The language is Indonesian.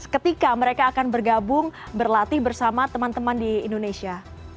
ketika mereka akan bergabung berlatih bersama teman teman di indonesia